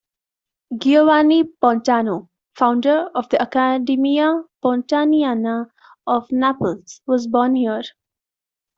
Giovanni Pontano, founder of the Accademia Pontaniana of Naples, was born here.